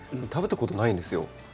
食べたことないんですよ。